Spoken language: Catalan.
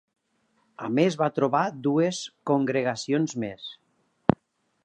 A més, va trobar dues congregacions més.